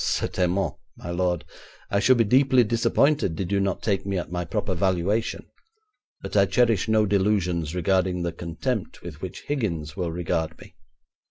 'Certainement, my lord, I should be deeply disappointed did you not take me at my proper valuation, but I cherish no delusions regarding the contempt with which Higgins will regard me.